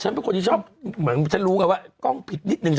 เป็นคนที่ชอบเหมือนฉันรู้ไงว่ากล้องผิดนิดนึง